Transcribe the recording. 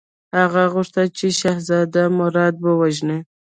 هغه غوښتل چې شهزاده مراد ووژني.